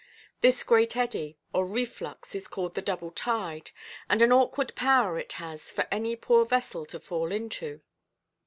This great eddy, or reflux, is called the "double–tide;" and an awkward power it has for any poor vessel to fall into.